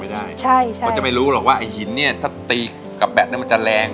เขาจะไม่รู้หรอกว่าอัยหินตีกับแบตจะแรง